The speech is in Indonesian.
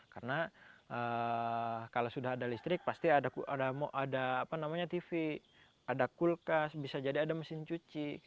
karena kalau sudah ada listrik pasti ada tv ada kulkas bisa jadi ada mesin cuci